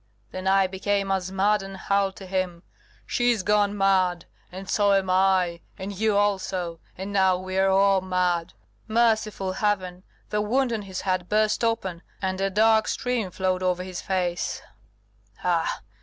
Then I became as mad, and howled to him, 'She is gone mad, and so am I, and you also, and now we are all mad!' Merciful Heaven, the wound on his head burst open, and a dark stream flowed over his face ah!